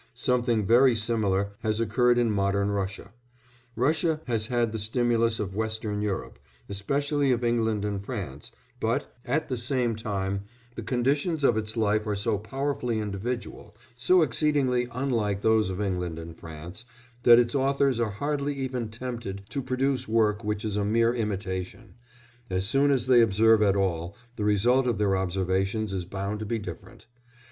Something very similar has occurred hi modern Russia. Russia has had the stimulus of Western Europe especially of England and France but, at the same time, the conditions of its life are so powerfully individual, so exceedingly unlike those of England and France, that its authors are hardly even tempted to produce work which is a mere imitation; as soon as they observe at all, the result of their observations is bound to be different.